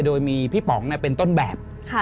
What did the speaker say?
โดยมีพี่ป๋องเป็นต้นแบบ